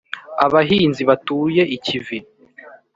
abahinzi batuye ikivi